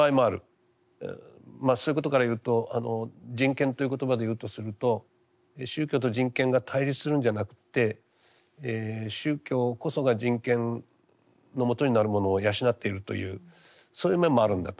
まあそういうことから言うと人権という言葉で言うとすると宗教と人権が対立するんじゃなくって宗教こそが人権のもとになるものを養っているというそういう面もあるんだと。